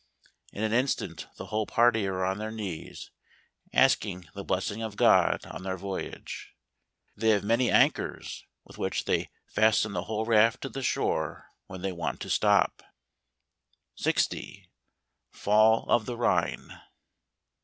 In an instant the whole party are on their knees, asking the blessing of God on their voyage. They have many anchors, with which they fasten the whole raft to the shore, when they want to stop. 60 . Fall of the Rhine